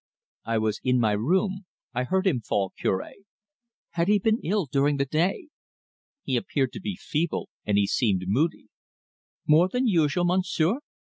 "I was in my room I heard him fall, Cure." "Had he been ill during the day?" "He appeared to be feeble, and he seemed moody." "More than usual, Monsieur?"